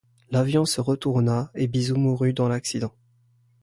L'avion se retourna et Bizot mourut dans l'accident.